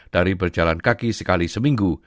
dari berjalan kaki sekali seminggu